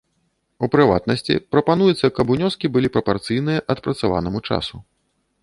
У прыватнасці, прапануецца, каб унёскі былі прапарцыйныя адпрацаванаму часу.